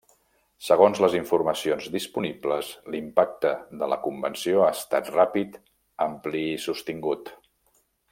Segons les informacions disponibles, l'impacte de la Convenció ha estat ràpid, ampli i sostingut.